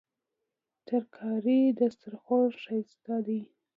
ترکاري د سترخوان ښايست دی